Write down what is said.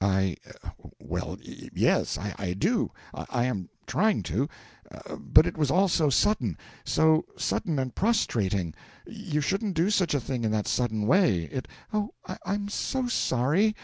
'I well, yes, I do I am trying to. But it was all so sudden. So sudden and prostrating. You shouldn't do such a thing in that sudden way. It ' 'Oh, I'm so sorry!